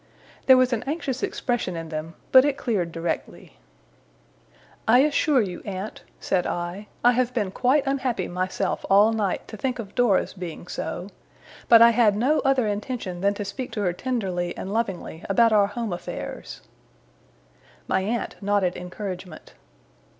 There was an anxious expression in them, but it cleared directly. 'I assure you, aunt,' said I, 'I have been quite unhappy myself all night, to think of Dora's being so. But I had no other intention than to speak to her tenderly and lovingly about our home affairs.' My aunt nodded encouragement.